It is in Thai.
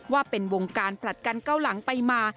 ว่าเป็นวงการผลัดกันเก้าหลังไปมา